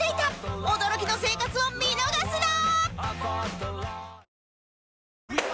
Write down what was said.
驚きの生活を見逃すな！